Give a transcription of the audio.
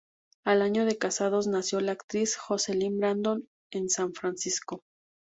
Al año de casados nació la actriz Jocelyn Brando en San Francisco.